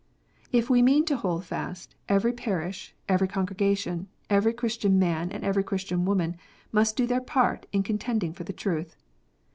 If we mean to "hold fast," every parish, every congrega tion, every Christian man, and every Christian woman, must do their part in contending for the truth.